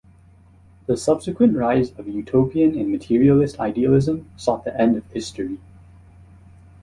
The subsequent rise of utopian and materialist idealism sought the end of history.